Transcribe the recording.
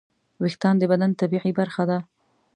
وېښتيان د بدن طبیعي برخه ده.